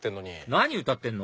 何歌ってんの？